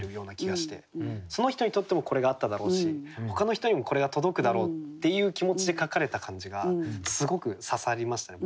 その人にとってもこれがあっただろうしほかの人にもこれが届くだろうっていう気持ちで書かれた感じがすごく刺さりましたね。